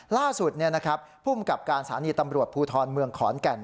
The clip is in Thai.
ล่าสุดภูมิกับการสถานีตำรวจภูทรเมืองขอนแก่น